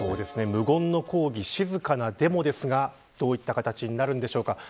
無言の抗議、静かなデモですがどういった形になるんでしょうか。